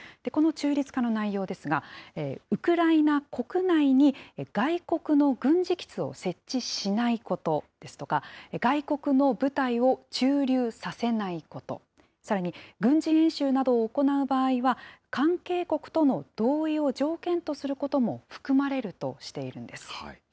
この中立化の内容ですが、ウクライナ国内に外国の軍事基地を設置しないことですとか、外国の部隊を駐留させないこと、さらに軍事演習などを行う場合は、関係国との同意を条件とすることも含まれるとしているんです。